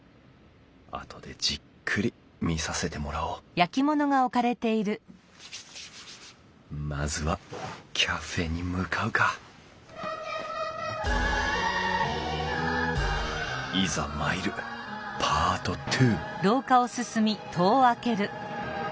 あとでじっくり見させてもらおうまずはカフェに向かうかいざ参るパート２！